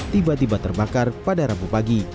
tiba tiba terbakar pada rabu pagi